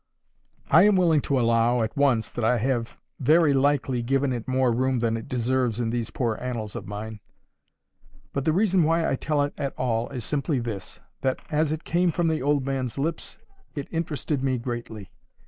I am willing to allow, at once, that I have very likely given it more room than it deserves in these poor Annals of mine; but the reason why I tell it at all is simply this, that, as it came from the old man's lips, it interested me greatly.